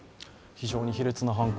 非常に卑劣な犯行。